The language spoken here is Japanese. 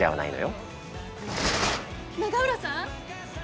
「永浦さん？」。